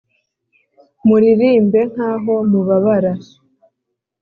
muririmbe, nkaho mubabara: